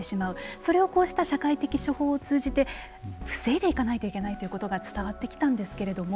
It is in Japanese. それをこうした社会的処方を通じて防いでいかないといけないということが伝わってきたんですけれども。